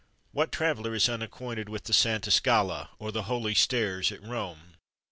What traveller is unacquainted with the Santa Scala, or Holy Stairs, at Rome?